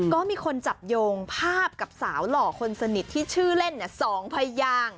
ก็มีคนจับโยงภาพกับสาวหล่อคนสนิทที่ชื่อเล่นสองพยาง